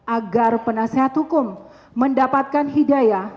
agar penasehat hukum mendapatkan hidayah